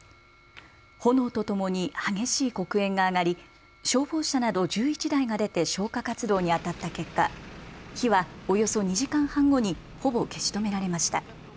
炎とともに激しい黒煙が上がり消防車など１１台が出て消火活動にあたった結果、火はおよそ２時間半後にほぼ消し止められました。